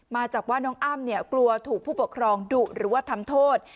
มาจากว่าน้องอ้ำกลัวถูกผู้ปกครองดุหรือว่าทำโทษ